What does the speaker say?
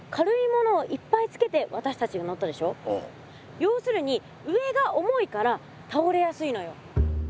ようするに上が重いからたおれやすいのよ。